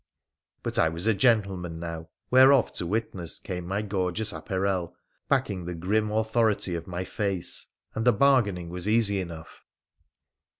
But I was a gentleman now, whereof to witness came my gorgeous apparel, backing the grim authority of mj face, and the bargaining was easy enough.